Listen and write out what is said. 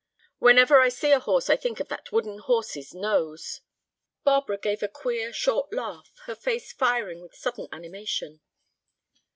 Whenever I see a horse I think of that wooden horse's nose." Barbara gave a queer, short laugh, her face firing with sudden animation.